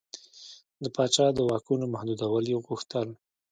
د پاچا د واکونو محدودول یې غوښتل.